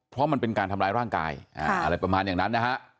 เพราะมันเป็นการทำร้ายร่างกายอะไรประมาณอย่างนั้นนะฮะ